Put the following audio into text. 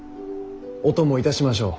お供いたしましょう。